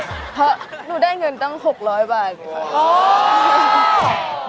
เพราะหนูได้เงินตั้ง๖๐๐บาทค่ะ